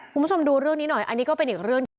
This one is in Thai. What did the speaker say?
คุณผู้ชมดูเรื่องนี้หน่อยอันนี้ก็เป็นอีกเรื่องที่